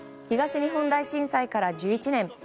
東日本大震災から１１年。